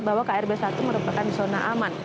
bahwa krb satu merupakan zona aman